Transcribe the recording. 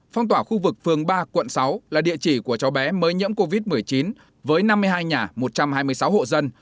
phong tỏa khu vực phường ba quận sáu là địa chỉ của cháu bé mới nhiễm covid một mươi chín với năm mươi hai nhà một trăm hai mươi sáu hộ dân